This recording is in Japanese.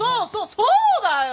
そうだよ！